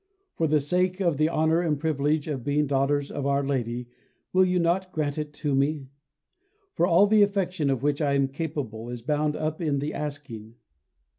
For the sake of the honour and privilege of being daughters of Our Lady will you not grant it to me? for all the affection of which I am capable is bound up in the asking.